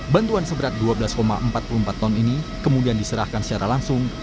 bantuan seberat dua belas empat puluh empat ton ini kemudian diserahkan secara langsung